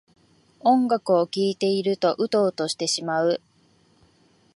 音楽を聴いているとウトウトしてしまう